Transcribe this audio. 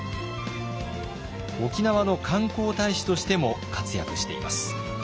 沖縄の観光大使としても活躍しています。